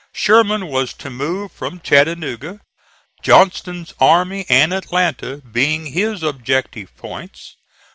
Sherman was to move from Chattanooga, Johnston's army and Atlanta being his objective points.